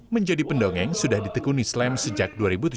menjadi pendongeng sudah ditekuni slem sejak dua ribu tujuh belas